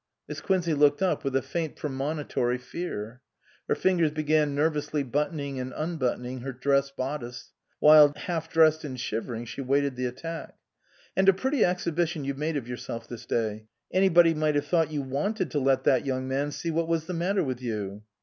Miss Quincey looked up with a faint pre monitory fear. Her fingers began nervously buttoning and unbuttoning her dress bodice ; while half dressed and shivering she waited the attack. "And a pretty exhibition you've made of yourself this day. Anybody might have thought you wanted to let that young man see what was the matter with you."